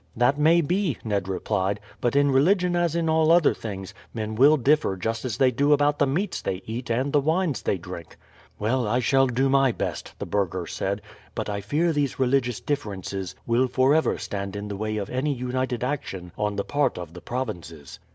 "That may be," Ned replied. "But in religion as in all other things, men will differ just as they do about the meats they eat and the wines they drink." "Well, I shall do my best," the burgher said. "But I fear these religious differences will forever stand in the way of any united action on the part of the provinces."